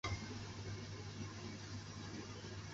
他在国家评论协会和好莱坞电影奖赢得突破艺人奖。